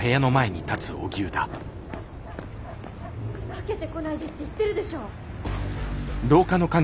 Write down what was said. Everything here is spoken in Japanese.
かけてこないでって言ってるでしょ！